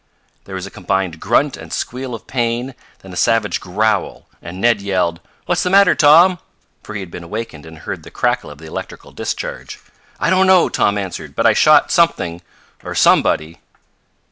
There was a combined grunt and squeal of pain, then a savage growl, and Ned yelled: "What's the matter, Tom?" for he had been awakened, and heard the crackle of the electrical discharge. "I don't know," Tom answered. "But I shot something or somebody!"